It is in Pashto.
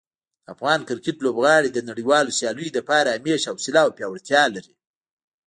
د افغان کرکټ لوبغاړي د نړیوالو سیالیو لپاره همیش حوصله او پیاوړتیا لري.